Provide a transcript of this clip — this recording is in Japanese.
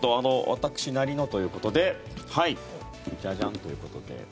私なりのということでじゃじゃんということで。